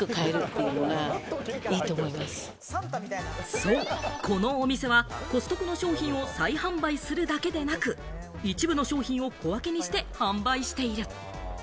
そう、このお店はコストコの商品を再販売するだけでなく、一部の商品を小分けにして販売している。